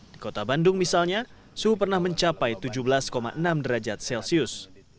di kota bandung misalnya suhu pernah mencapai tujuh belas enam derajat celcius